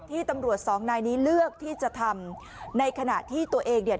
ตำรวจสองนายนี้เลือกที่จะทำในขณะที่ตัวเองเนี่ย